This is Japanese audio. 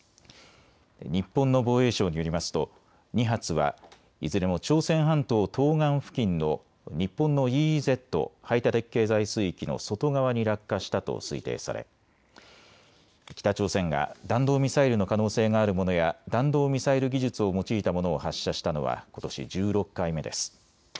日本の防衛省によりますと２発はいずれも朝鮮半島東岸付近の日本のＥＥＺ・排他的経済水域の外側に落下したと推定され北朝鮮が弾道ミサイルの可能性があるものや弾道ミサイル技術を用いたものを発射したのはことし１６回目です。